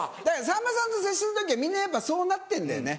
さんまさんと接する時はみんなやっぱそうなってんだよね。